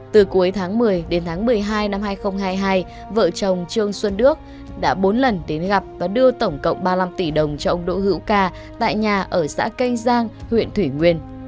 từ cuối tháng một mươi đến tháng một mươi hai năm hai nghìn hai mươi hai vợ chồng trương xuân đức đã bốn lần đến gặp và đưa tổng cộng ba mươi năm tỷ đồng cho ông đỗ hữu ca tại nhà ở xã cây giang huyện thủy nguyên